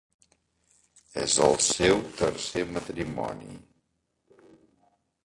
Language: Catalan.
És el seu tercer matrimoni.